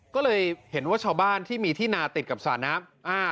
ก็เลยเห็นว่าชาวบ้านที่มีที่นาติดกับสระน้ำ